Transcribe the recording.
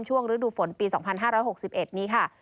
ฤดูฝนปี๒๕๖๑นี้ค่ะ